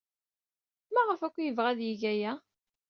Maɣef akk ay yebɣa ad yeg aya?